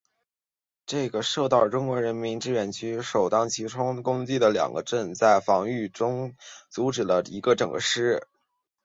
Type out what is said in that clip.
受到中国人民志愿军首当其冲攻击的两个营在防御战中阻止了中国人民志愿军一整个师。